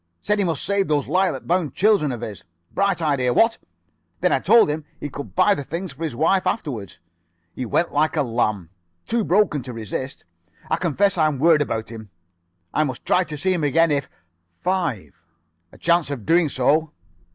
Said he must save those lilac bound children of his. Bright idea, what? Then I told him he could buy the things for his wife afterwards. He went like a lamb, too broken to resist. I confess I am worried about him. I must try to see him again if 5 a chance of doing so."